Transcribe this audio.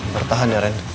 bertahan ya ren